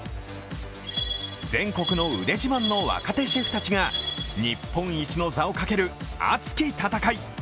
全国の腕自慢の若手シェフたちが日本一をかける熱き戦い。